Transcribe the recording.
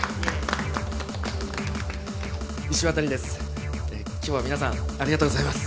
石渡です。